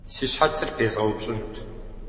Си щхьэцыр пезгъэупщӏынут.